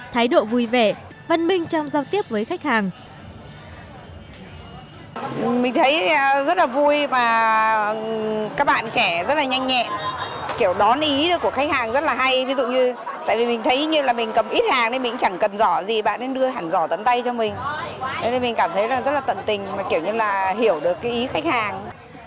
thái độ vui vẻ văn minh trong giao tiếp với khách hàng